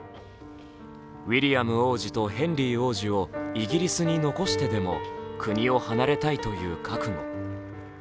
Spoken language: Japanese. ウィリアム王子とヘンリー王子をイギリスに残してでも国を離れたいという覚悟。